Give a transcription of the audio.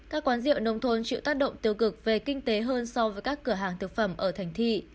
các quán rượu nông thôn chịu tác động tiêu cực về kinh tế hơn so với các cửa hàng thực phẩm ở thành thị